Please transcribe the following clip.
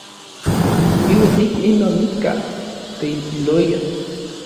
Iuan ik inon nikaj teilpiloyan.